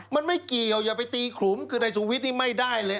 มันไม่เกี่ยวอย่าไปตีขลุมคือนายสุวิทย์นี่ไม่ได้เลย